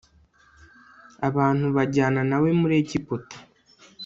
abantu bajyana na we muri egiputa